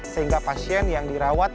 sehingga pasien yang dirawat